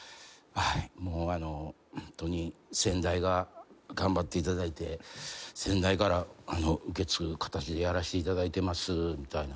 「はいもうあのホントに先代が頑張っていただいて先代から受け継ぐ形でやらせていただいてます」